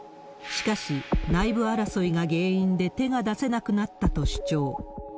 しかし、内部争いが原因で手が出せなくなったと主張。